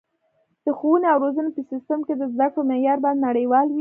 د ښوونې او روزنې په سیستم کې د زده کړو معیار باید نړیوال وي.